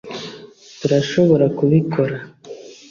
turashobora kubikora